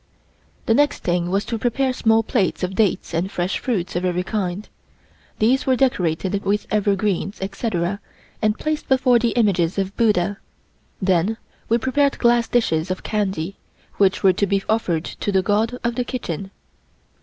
The next thing was to prepare small plates of dates and fresh fruits of every kind. These were decorated with evergreens, etc., and placed before the images of Buddha. Then we prepared glass dishes of candy, which were to be offered to the God of the Kitchen.